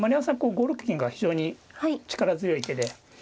５六銀が非常に力強い手で。